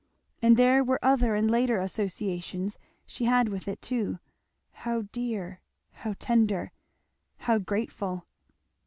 And there were other and later associations she had with it too, how dear! how tender! how grateful!